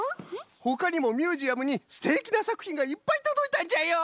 ほかにもミュージアムにすてきなさくひんがいっぱいとどいたんじゃよ！